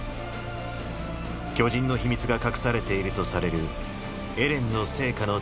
巨人の秘密が隠されているとされるエレンの生家の地下室を目指す。